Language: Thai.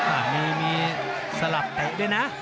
อ่ามีสลับเตะด้วยนะ